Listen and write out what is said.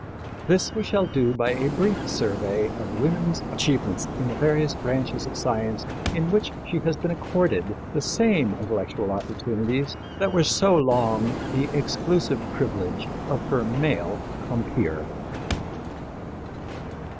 This we shall do by a brief survey of woman's achievements in the various branches of science in which she has been accorded the same intellectual opportunities that were so long the exclusive privilege of her male compeer.